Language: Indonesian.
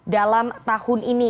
dalam tahun ini